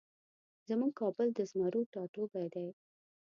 زمونږ کابل د زمرو ټاټوبی دی